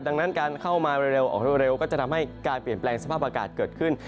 ดังนั้นการเข้ามาเร็วออกเร็วก็จะทำให้การเปลี่ยนแปลงสภาพอากาศเกิดขึ้น